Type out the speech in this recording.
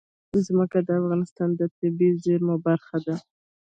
ځمکه د افغانستان د طبیعي زیرمو برخه ده.